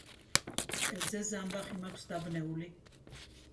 მკერდზე ზამბახი მაქვს დაბნეული.